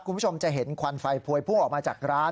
คุณผู้ชมจะเห็นควันไฟพวยพุ่งออกมาจากร้าน